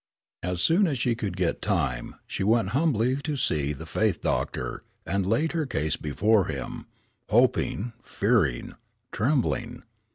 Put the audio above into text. As soon as she could get time she went humbly to see the faith doctor, and laid her case before him, hoping, fearing, trembling.